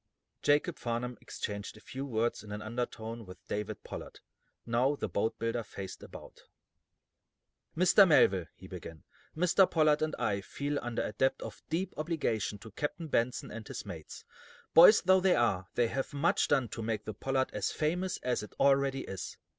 Jacob Farnum exchanged a few words in an undertone with David Pollard. Now, the boat builder faced about. "Mr. Melville," he began, "Mr. Pollard and I feel under a debt of deep obligation to Captain Benson and his mates. Boys though they are, they have done much to make the 'Pollard' as famous as it already is.